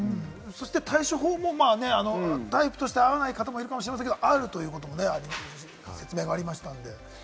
対処法もね、タイプとして合わない方もいると思いますけれど、あるという説明がありましたので。